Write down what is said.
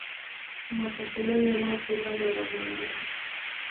ماته په لويه لار کې مه ژاړه مينه.